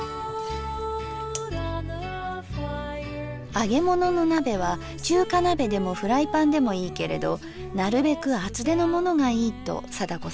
揚げ物の鍋は中華鍋でもフライパンでもいいけれどなるべく厚手のものがいいと貞子さん。